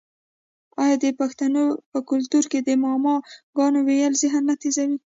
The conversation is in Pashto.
آیا د پښتنو په کلتور کې د معما ګانو ویل ذهن نه تیزوي؟